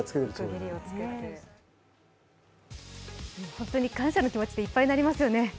本当に感謝の気持ちでいっぱいになりますよね。